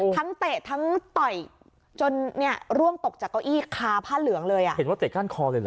เตะทั้งต่อยจนเนี่ยร่วงตกจากเก้าอี้คาผ้าเหลืองเลยอ่ะเห็นว่าเตะก้านคอเลยเหรอ